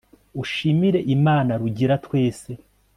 ushimire imana; rugira twese